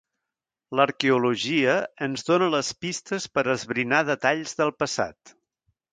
L'arqueologia ens dona les pistes per esbrinar detalls del passat.